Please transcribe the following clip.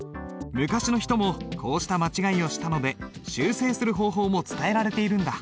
昔の人もこうした間違いをしたので修正する方法も伝えられているんだ。